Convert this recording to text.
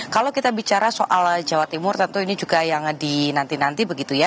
kalau kita bicara soal jawa timur tentu ini juga yang dinanti nanti begitu ya